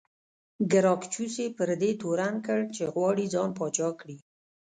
ګراکچوس یې پر دې تورن کړ چې غواړي ځان پاچا کړي